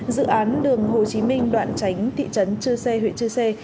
dự án đường hồ chí minh đoạn tránh thị trấn chư sê huyện chư sê